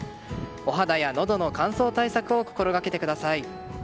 お肌やのどの乾燥対策を心掛けてください。